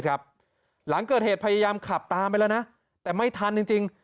หลังเกิดเหตุพยายามขับตามไปแล้วนะแต่ไม่ทันจริง